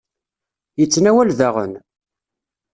Yettnawal daɣen?